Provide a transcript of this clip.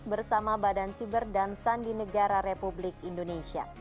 bersama badan siber dan sandi negara republik indonesia